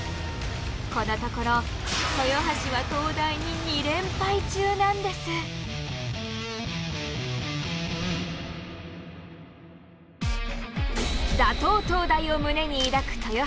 このところ豊橋は東大に２連敗中なんです。を胸に抱く豊橋。